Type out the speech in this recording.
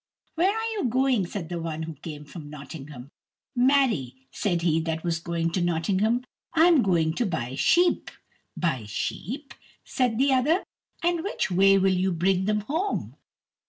"Where are you going?" said the one who came from Nottingham. "Marry," said he that was going to Nottingham, "I am going to buy sheep." "Buy sheep?" said the other, "and which way will you bring them home?"